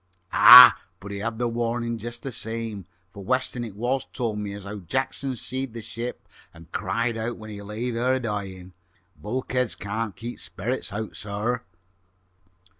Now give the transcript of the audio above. "Ah, but he had the warnin' jist the same, for Weston, it was, told me as how Jackson seed the ship and cried out when he lay there a dyin'. Bulkheads can't keep sperrits out, sir."